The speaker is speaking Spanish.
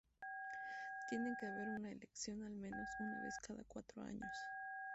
Tiene que haber una elección al menos una vez cada cuatro años.